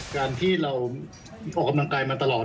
การที่เราออกกำลังกายมาตลอด